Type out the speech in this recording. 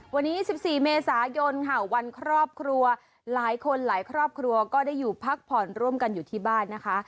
วันนี้๑๔เมษายนค่ะวันครอบครัวหลายคนหลายครอบครัวก็ได้อยู่พักผ่อนร่วมกันอยู่ที่บ้านนะคะ